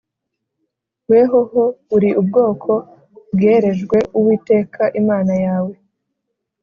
Wehoho uri ubwoko bwerejwe Uwiteka Imana yawe